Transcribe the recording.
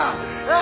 あ！